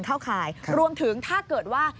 เข้าข่ายรวมถึงถ้าเกิดว่า